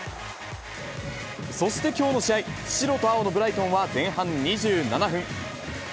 そして、きょうの試合、白と青のブライトンは、前半２７分。